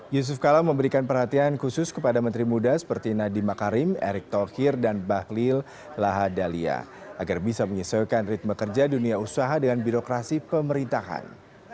yusuf kala memberikan perhatian khusus kepada menteri muda seperti nadiem makarim erick thokir dan bahlil lahadalia agar bisa menyesuaikan ritme kerja dunia usaha dengan birokrasi pemerintahan